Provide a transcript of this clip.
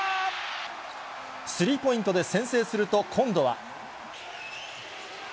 スリーポイントで先制すると、今度は。